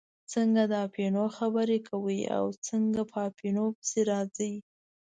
څنګه د اپینو خبره کوئ او څنګه په اپینو پسې راځئ.